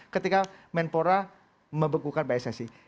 ketika kemenpora membekukan pssi